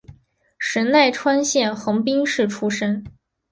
神奈川县横滨市出身。